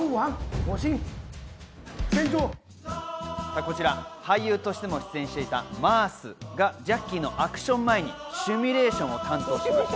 こちら、俳優としても出演していたマースがジャッキーのアクション前にシミュレーションを担当しました。